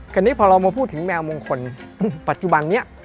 ทีนี้พอเรามาพูดถึงแมวมงคลปัจจุบันนี้